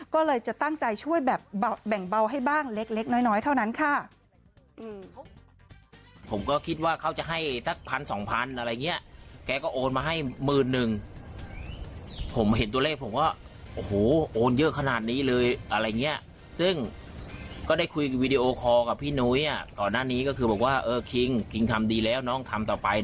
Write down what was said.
ก็เลยจะตั้งใจช่วยแบบแบ่งเบาให้บ้างเล็กน้อยเท่านั้นค่ะ